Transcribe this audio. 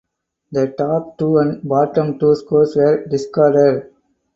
The top two and bottom two scores were discarded.